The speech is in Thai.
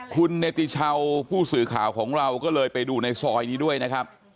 คุณเนติชาวผู้สื่อข่าวของเราก็เลยไปดูในซอยนี้ด้วยนะครับ